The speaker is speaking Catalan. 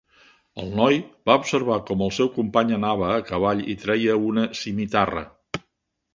El noi va observar com el seu company anava al cavall i treia una simitarra.